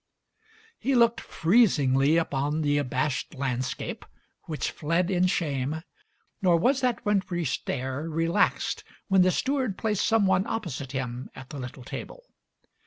He looked freezingly upon the abashed landscape, which fled in shame; nor was that wintry stare relaxed when the steward placed someone opposite him at the little table.